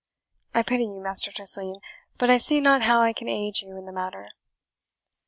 I pity you, Master Tressilian, but I see not how I can aid you in the matter."